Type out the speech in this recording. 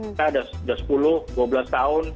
kita sudah sepuluh dua belas tahun di indonesia